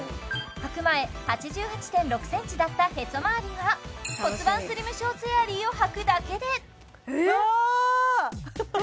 はく前８８．６ｃｍだったへそまわりが骨盤スリムショーツエアリーをはくだけであ！